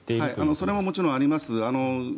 それももちろんあります。